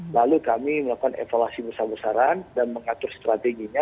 lalu kami melakukan evaluasi besar besaran dan mengatur strateginya